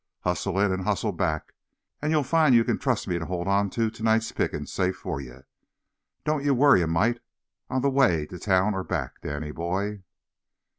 Hustle in, and hustle back, and ye'll find ye can trust me to hold outer to night's pickings safe for ye. Don't ye worry a mite on the way to town or back, Danny boy."